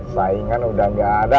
saingan udah gak ada